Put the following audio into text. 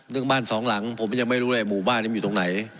เรื่องบ้านสองหลังผมยังไม่รู้เลยหมู่บ้านนี้มันอยู่ตรงไหน